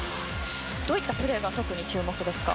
どういったプレーが特に注目ですか？